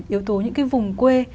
yếu tố những cái vùng quê